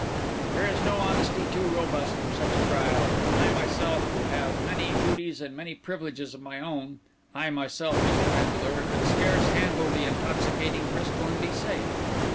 There is no honesty too robust for such a trial. I myself, who have many duties and many privileges of my own—I myself, Mr. Vandeleur, could scarce handle the intoxicating crystal and be safe.